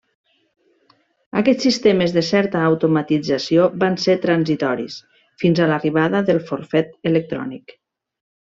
Aquests sistemes de certa automatització van ser transitoris, fins a l'arribada del forfet electrònic.